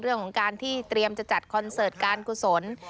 เรื่องของการที่เตรียมจะจัดคอนเสิร์ตการกุศล